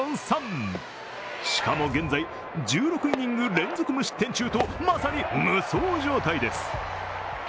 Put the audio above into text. しかも現在、１６イニング連続無失点中とまさに無双状態です。